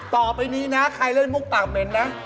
ต่อไปนี้นะใครเล่นมุกปากเหม็นนะ